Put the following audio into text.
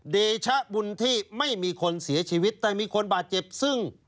เดชะบุญที่ไม่มีคนเสียชีวิตแต่มีคนบาดเจ็บซึ่ง